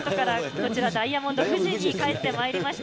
こちら、ダイヤモンド富士にかえってまいりました。